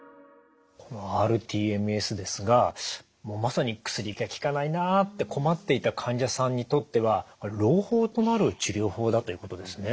このｒＴＭＳですがまさに薬が効かないなって困っていた患者さんにとっては朗報となる治療法だということですね。